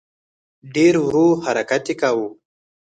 ډېر ورو حرکت یې کاوه.